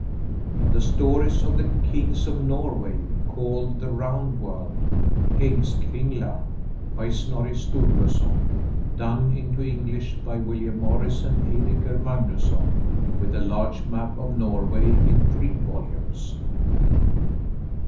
"The Stories of the Kings of Norway, called the Round World" (Heimskringla). By Snorri Sturluson. Done into English by William Morris and Eirikr Magnusson. With a large map of Norway. In three volumes.